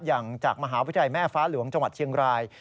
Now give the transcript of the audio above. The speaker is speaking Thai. อย่างจากมหาวิทยาลัยแม่ฟ้าหลวงจังหวัดเชียงราย